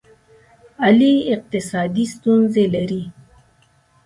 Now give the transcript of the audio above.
علي اقتصادي ستونزې لري.